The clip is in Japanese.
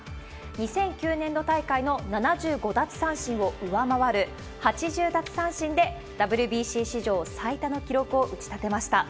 ２００９年度大会の７５奪三振を上回る、８０奪三振で、ＷＢＣ史上最多の記録を打ち立てました。